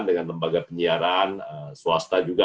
dengan lembaga penyiaran swasta juga